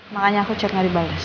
makanya aku cepet gak dibalas